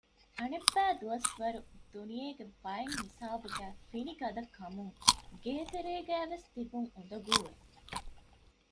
އަނެއްބައި ދުވަސްވަރު ދުނިޔޭގެ ބައެއްހިސާބުގައި ފިނިގަދަކަމުން ގޭތެރޭގައިވެސް ތިބުން އުނދަގޫވެ